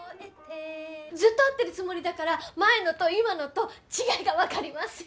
ずっと合ってるつもりだから前のと今のと違いが分かりません。